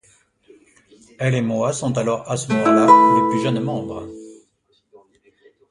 Elle et Moa sont alors à ce moment-là les plus jeunes membres.